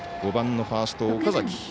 ５番のファースト岡崎。